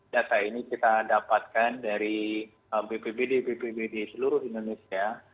data ini kita dapatkan dari bpbd bpbd seluruh indonesia